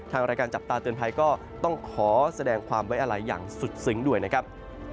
รายการจับตาเตือนภัยก็ต้องขอแสดงความไว้อะไรอย่างสุดซึ้งด้วยนะครับ